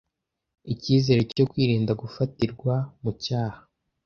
icyizere cyo kwirinda gufatirwa mu cyaha